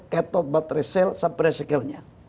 cathode baterai cell sampai resikalnya